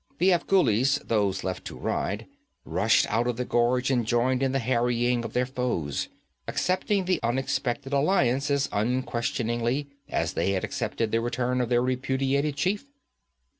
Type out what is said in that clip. The Afghulis, those left to ride, rushed out of the gorge and joined in the harrying of their foes, accepting the unexpected alliance as unquestioningly as they had accepted the return of their repudiated chief.